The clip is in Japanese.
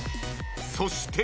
［そして］